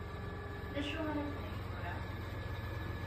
D acu ar ad neg tura?